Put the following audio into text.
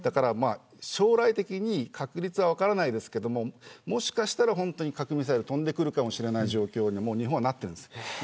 将来的に確率は分かりませんがもしかしたら本当に核ミサイルが飛んでくるかもしれない状況に日本はなっています。